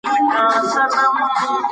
له کبر څخه ځان وساتئ.